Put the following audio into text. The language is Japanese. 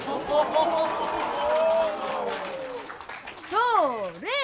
それ！